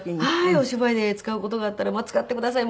「お芝居で使う事があったら使ってください。